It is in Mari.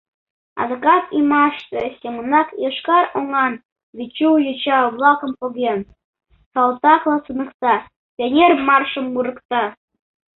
Адакат ӱмашсе семынак йошкар оҥан Вечу йоча-влакым поген, салтакла туныкта, пионер маршым мурыкта.